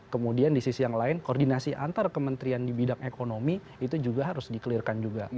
kemudian di sisi yang lain koordinasi antar kementerian di bidang ekonomi itu juga harus di clear kan juga